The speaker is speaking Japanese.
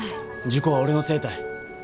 事故は俺のせいたい。